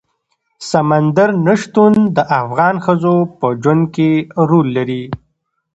سمندر نه شتون د افغان ښځو په ژوند کې رول لري.